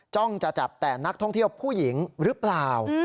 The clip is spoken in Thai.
จ้องจะจับแต่นักท่องเที่ยวผู้หญิงหรือเปล่า